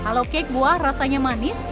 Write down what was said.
halo kek buah rasanya manis